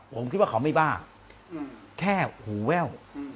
ผมคิดว่าเขาไม่บ้าแค่หูแว่ว